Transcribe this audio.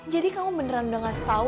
jadi kamu beneran udah gak setau